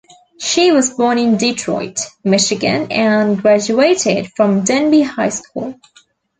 She was born in Detroit, Michigan and graduated from Denby High School.